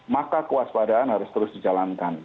maka kewaspadaan harus terus dijalankan